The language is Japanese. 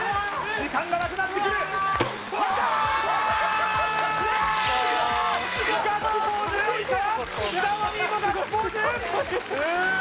時間がなくなってくるいったー！